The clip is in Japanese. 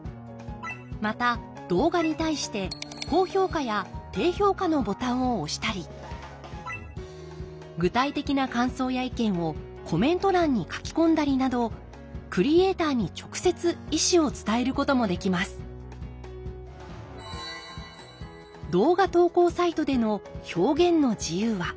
また動画に対して高評価や低評価のボタンを押したり具体的な感想や意見をコメント欄に書き込んだりなどクリエーターに直接意思を伝えることもできますんなるほど。